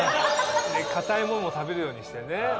硬いもんも食べるようにしてね。